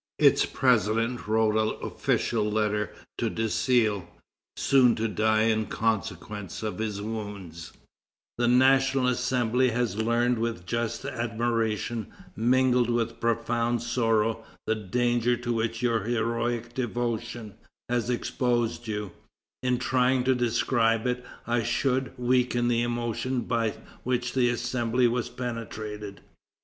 Its president wrote an official letter to Desilles, soon to die in consequence of his wounds: "The National Assembly has learned with just admiration, mingled with profound sorrow, the danger to which your heroic devotion has exposed you; in trying to describe it, I should weaken the emotion by which the Assembly was penetrated.